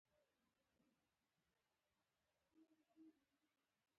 ونې هوا پاکوي